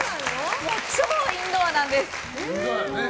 超インドアなんです。